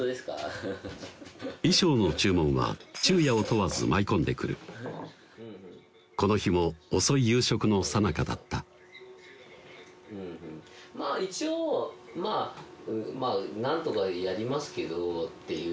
ハハハ衣装の注文は昼夜を問わず舞い込んでくるこの日も遅い夕食のさなかだったまぁ一応まぁなんとかやりますけどっていう